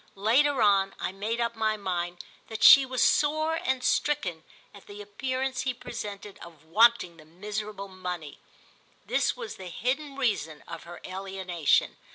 Later on I made up my mind that she was sore and stricken at the appearance he presented of wanting the miserable money. This was the hidden reason of her alienation.